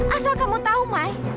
asal kamu tau mai